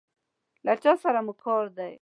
له چا سره مو کار دی؟